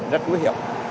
rất nguy hiểm